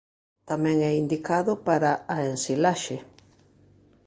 Tamén é indicado para a ensilaxe.